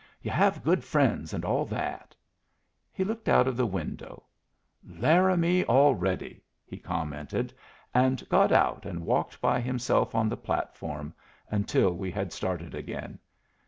Yu' have good friends, and all that." He looked out of the window. "Laramie already!" he commented, and got out and walked by himself on the platform until we had started again.